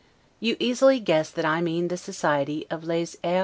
You easily guess that I mean the society of 'les R.